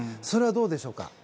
それはどうでしょうか。